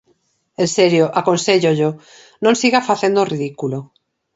En serio aconséllollo, non siga facendo o ridículo.